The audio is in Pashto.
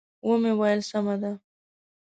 و مې ویل: سمه ده.